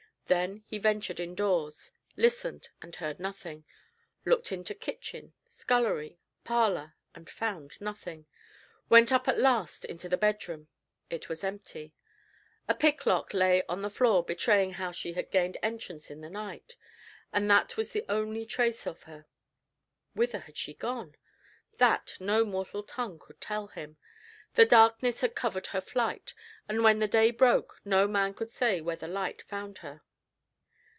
Then he ventured indoors listened, and heard nothing looked into kitchen, scullery, parlor and found nothing; went up at last into the bedroom it was empty. A picklock lay on the floor betraying how she had gained entrance in the night, and that was the only trace of her. Whither had she gone? That no mortal tongue could tell him. The darkness had covered her flight; and when the day broke, no man could say where the light found her.